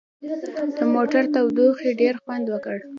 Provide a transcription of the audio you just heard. د موټر تودوخې ډېر خوند وکړ.